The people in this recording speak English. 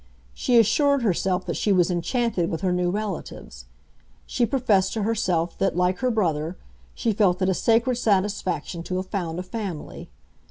She assured herself that she was enchanted with her new relatives; she professed to herself that, like her brother, she felt it a sacred satisfaction to have found a family.